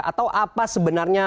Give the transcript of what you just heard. atau apa sebenarnya